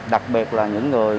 đặc biệt là những người